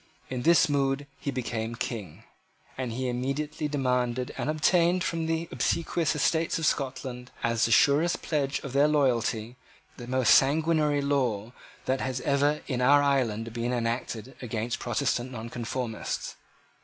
In this mood he became King; and he immediately demanded and obtained from the obsequious Estates of Scotland as the surest pledge of their loyalty, the most sanguinary law that has ever in our island been enacted against Protestant Nonconformists.